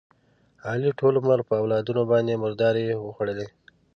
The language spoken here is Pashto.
علي ټول عمر په اولادونو باندې مردارې وخوړلې.